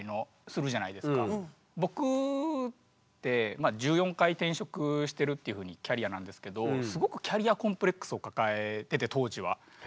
まあ当然ながらこのっていうふうなキャリアなんですけどすごくキャリアコンプレックスを抱えてて当時は。